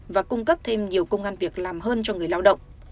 và cung cấp thêm nhiều công an việc làm hơn cho người lao động